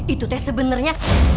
itu teh sebenernya